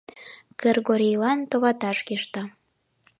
Кыргорийлан товаташ кӱшта.